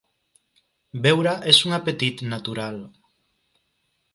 Beure és un apetit natural.